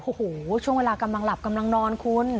โอ้โหช่วงเวลากำลังหลับกำลังนอนคุณ